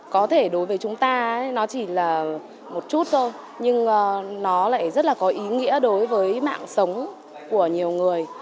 có thể đối với chúng ta nó chỉ là một chút thôi nhưng nó lại rất là có ý nghĩa đối với mạng sống của nhiều người